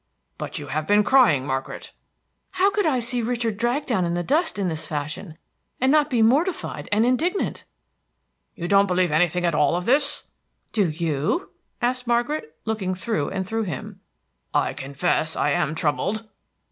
"But you have been crying, Margaret." "How could I see Richard dragged down in the dust in this fashion, and not be mortified and indignant?" "You don't believe anything at all of this?" "Do you?" asked Margaret, looking through and through him. "I confess I am troubled."